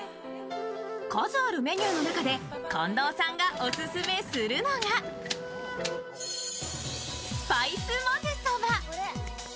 数あるメニューの中で、近藤さんがオススメするのがスパイスまぜそば。